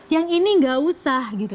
yang ini nggak usah gitu